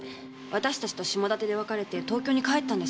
私たちと下館で分かれて東京に帰ったんですから。